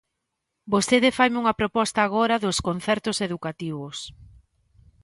Vostede faime unha proposta agora dos concertos educativos.